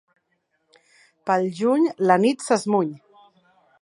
Pel juny, la nit s'esmuny.